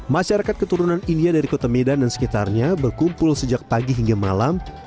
masyarakat keturunan india dari kota medan dan sekitarnya berkumpul sejak pagi hingga malam